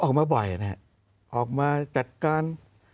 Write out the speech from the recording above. ออกมาบ่อยนะฮะออกมาจัดการ